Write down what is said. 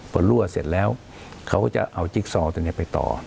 พอรั่วเสร็จแล้วเขาก็จะเอาจิ๊กซอตัวนี้ไปต่อ